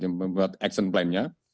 membuat action plan nya